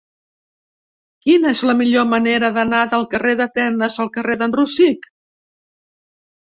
Quina és la millor manera d'anar del carrer d'Atenes al carrer d'en Rosic?